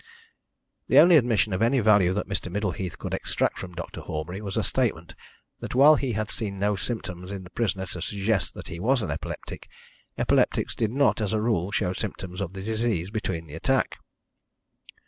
The only admission of any value that Mr. Middleheath could extract from Dr. Horbury was a statement that while he had seen no symptoms in the prisoner to suggest that he was an epileptic, epileptics did not, as a rule, show symptoms of the disease between the attack.